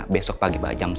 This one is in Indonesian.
besok pagi mbak jam sepuluh